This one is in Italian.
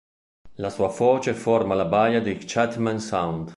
La sua foce forma la baia di "Chatham Sound".